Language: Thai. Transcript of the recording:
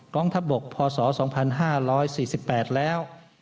กองทัพบกพศ๒๕๔๘แล้ว